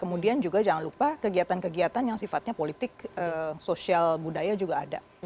kemudian juga jangan lupa kegiatan kegiatan yang sifatnya politik sosial budaya juga ada